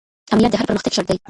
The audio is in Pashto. امنیت د هر پرمختګ شرط دی.